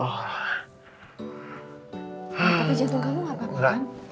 tapi jatuh kamu nggak apa apa kan